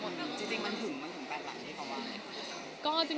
มั่นสองแปดหลักใช้ความว่าไง